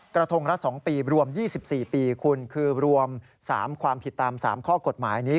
กระทงละ๒ปีรวม๒๔ปีคุณคือรวม๓ความผิดตาม๓ข้อกฎหมายนี้